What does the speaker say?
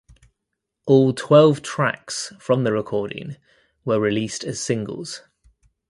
All twelve tracks from the recording were released as singles.